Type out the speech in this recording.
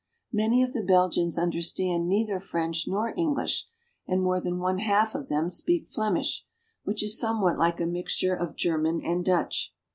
Many of the Belgians understand neither French nor English, and more than one half of them speak Flemish, which is somewhat like a mixture of German and Dutch.